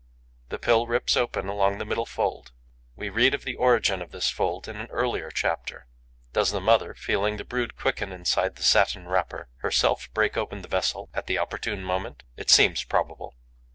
The pill rips open along the middle fold. We read of the origin of this fold in an earlier chapter. Does the mother, feeling the brood quicken inside the satin wrapper, herself break open the vessel at the opportune moment? It seems probable.